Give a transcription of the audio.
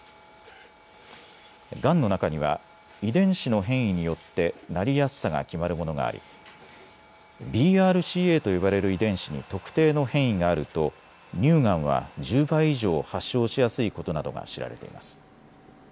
がんの中には遺伝子の変異によってなりやすさが決まるものがありＢＲＣＡと呼ばれる遺伝子に特定の変異があると乳がんは１０倍以上、発症しやすいことなどが知られています。